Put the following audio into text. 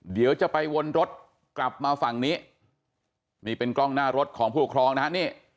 เดี๋ยวจะไปวนรถกลับมาฝั่งนี้นี่เป็นกล้องหน้ารถของผู้ปกครองนะฮะนี่